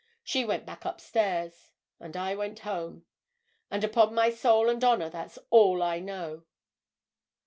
She went back upstairs. And I went home. And upon my soul and honour that's all I know!"